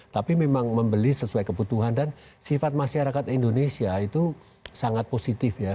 tapi memang membeli sesuai kebutuhan dan sifat masyarakat indonesia itu sangat positif ya